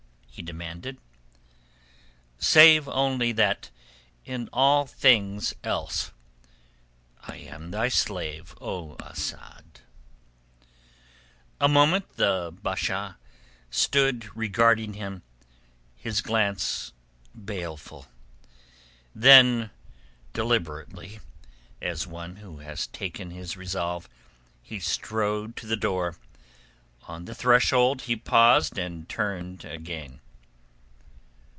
he demanded. "Save only that in all things else I am thy slave, O Asad." A moment the Basha stood regarding him, his glance baleful. Then deliberately, as one who has taken his resolve, he strode to the door. On the threshold he paused and turned again.